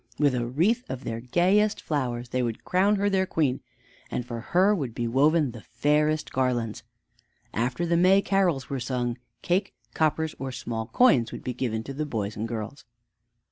With a wreath of their gayest flowers they would crown her their Queen, and for her would be woven the fairest garlands. After the May carols were sung, cake, coppers, or small coins would be given to the boys and girls.